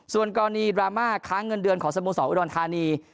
ส่วนกรณีดราม่าค้างเงินเดือนของสโมสรอุดรธานี